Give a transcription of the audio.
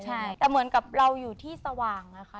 ใช่แต่เหมือนกับเราอยู่ที่สว่างอะค่ะ